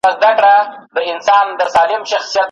زه به منګی په لپو ورو ورو ډکومه